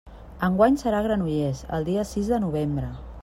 Enguany serà a Granollers, el dia sis de novembre.